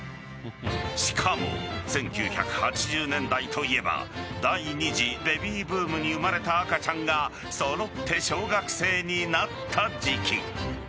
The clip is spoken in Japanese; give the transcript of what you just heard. しかも、１９８０年代といえば第２次ベビーブームに生まれた赤ちゃんが揃って小学生になった時期。